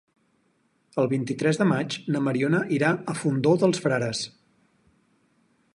El vint-i-tres de maig na Mariona irà al Fondó dels Frares.